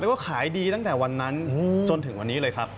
ว่าขายดีตั้งแต่วันนั้นจนถึงวันนี้เลยครับ